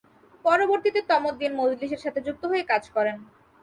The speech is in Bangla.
পরবর্তীতে তমদ্দুন মজলিসের সাথে যুক্ত হয়ে কাজ করেন।